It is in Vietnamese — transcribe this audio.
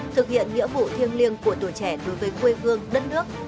thực hiện nghĩa vụ thiêng liêng của tuổi trẻ đối với quê hương đất nước